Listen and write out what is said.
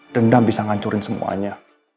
dendam bisa ngancurin semuanya